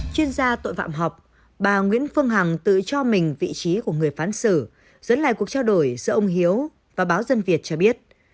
chuyên gia tội phạm học bà nguyễn phương hằng tự cho mình vị trí của người phán sử dẫn lại cuộc trao đổi giữa ông hiếu và báo dân việt cho biết